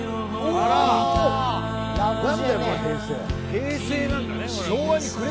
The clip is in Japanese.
平成なんだね。